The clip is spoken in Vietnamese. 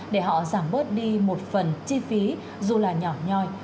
để họ giảm bớt đi một phần chi phí dù là nhỏ nhoi